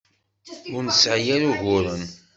Ur nesɛi ara uguren.